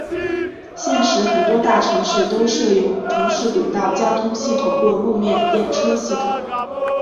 现时很多大城市都设有城市轨道交通系统或路面电车系统。